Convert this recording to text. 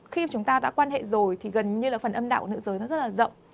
khi chúng ta đã quan hệ rồi thì gần như là phần âm đạo của nữ giới nó rất là rộng